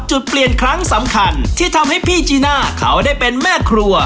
จุดเปลี่ยนครั้งสำคัญที่ทำให้พี่จีน่าเขาได้เป็นแม่ครัว